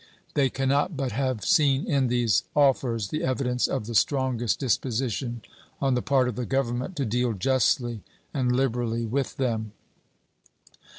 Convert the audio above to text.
They can not but have seen in these offers the evidence of the strongest disposition on the part of the Government to deal justly and liberally with them.